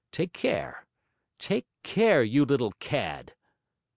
Take care take care, you little cad!'